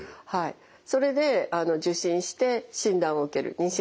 それで受診して妊娠の診断を受ける。